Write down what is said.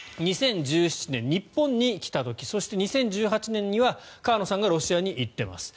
２０１７年、日本に来た時そして２０１８年には河野さんがロシアに行っています。